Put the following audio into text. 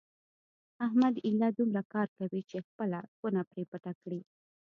احمد ایله دومره کار کوي چې خپله کونه پرې پټه کړي.